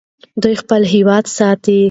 دوی خپل هېواد ساتي.